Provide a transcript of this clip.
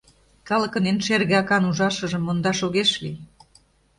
Калыкын эн шерге акан ужашыжым мондаш огеш лий...